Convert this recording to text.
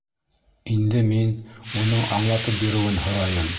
Инде мин уның аңлатып биреүен һорайым.